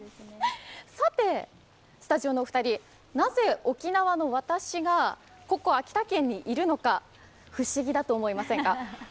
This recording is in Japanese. さて、スタジオのお二人なぜ沖縄の私が、ここ秋田県にいるのか不思議だと思いませんか？